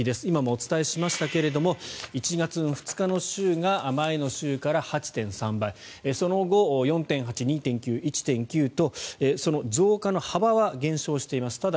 今もお伝えしましたが１月の２日の週が前の週から８．３倍その後、４．８、２．９１．９と増加の幅は減少しています。